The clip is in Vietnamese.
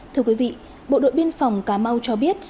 thưa quý vị bộ đội biên phòng cà mau cho biết